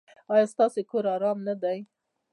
ایا ستاسو کور ارام نه دی؟